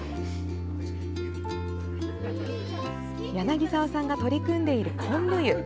柳澤さんが取り組んでいるこんぶ湯。